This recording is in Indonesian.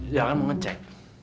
jangan mau ngecek